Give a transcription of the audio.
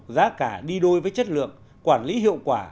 giá cả đi đôi với chất lượng quản lý hiệu quả